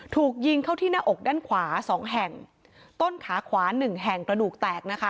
ถูกยิงเข้าที่หน้าอกด้านขวาสองแห่งต้นขาขวาหนึ่งแห่งกระดูกแตกนะคะ